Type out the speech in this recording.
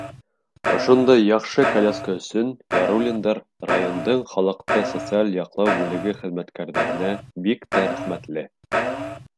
Ошондай яҡшы коляска өсөн Яруллиндар райондың халыҡты социаль яҡлау бүлеге хеҙмәткәрҙәренә бик тә рәхмәтле.